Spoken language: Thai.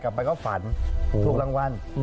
ไปก็ฝันถูกรางวัล